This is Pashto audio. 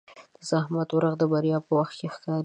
د زحمت ارزښت د بریا په وخت ښکاري.